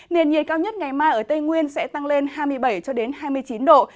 nền nhiệt cao nhất ngày mai ở tây nguyên sẽ tăng lên hai mươi bảy hai mươi chín độ